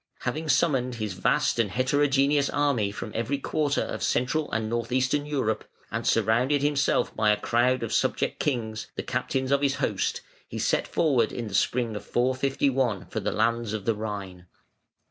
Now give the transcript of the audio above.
Having summoned his vast and heterogeneous army from every quarter of Central and North eastern Europe, and surrounded himself by a crowd of subject kings, the captains of his host, he set forward in the spring of 451 for the lands of the Rhine.